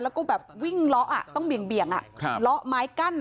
แล้วก็แบบวิ่งเลาะต้องเบี่ยงเลาะไม้กั้น